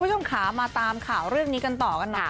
คุณผู้ชมค่ะมาตามข่าวเรื่องนี้กันต่อกันหน่อย